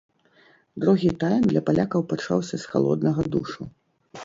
Другі тайм для палякаў пачаўся з халоднага душу.